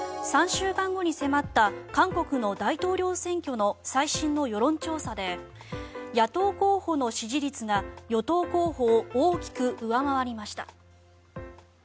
３週間後に迫った韓国の大統領選挙の最新の世論調査で野党候補の支持率が与党候補を大きく上回りました。